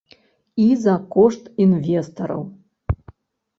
І за кошт інвестараў.